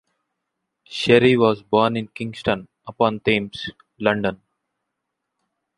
Sherry was born in Kingston upon Thames, London.